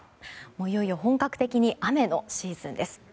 いよいよ本格的に雨のシーズンです。